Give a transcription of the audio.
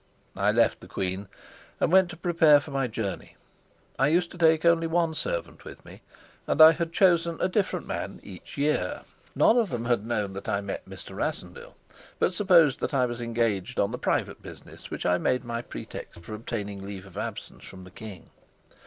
I left the queen and went to prepare for my journey. I used to take only one servant with me, and I had chosen a different man each year. None of them had known that I met Mr. Rassendyll, but supposed that I was engaged on the private business which I made my pretext for obtaining leave of absence from the king.